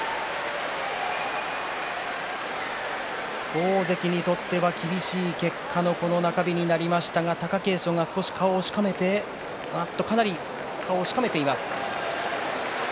大関にとっては厳しい結果のこの中日になりましたが貴景勝が少し顔をしかめてかなり顔をしかめています。